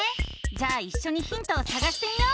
じゃあいっしょにヒントをさがしてみよう！